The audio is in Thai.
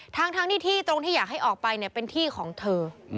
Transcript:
ทั้งที่ตรงที่อยากให้ออกไปเป็นที่ของเธอ